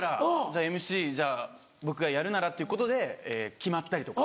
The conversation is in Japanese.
ＭＣじゃあ僕がやるならっていうことで決まったりとか。